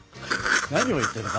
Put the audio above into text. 何を言ってるの？